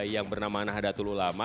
yang bernama nahdlatul ulama